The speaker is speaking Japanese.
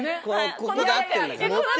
ここで会ってるんだから。